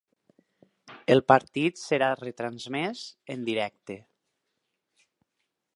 El partit serà retransmès en directe.